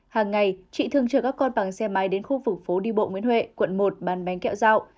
hàng ngày chị thường chờ các con bằng xe máy đến khu vực phố đi bộ nguyễn huệ quận một bán bánh kẹo rau